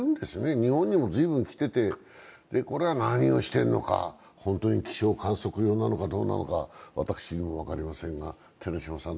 日本にも随分来ていて、これは何をしてるのか、本当に気象観測用なのかどうなのか、私にも分かりませんが。